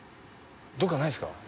どっかないですか？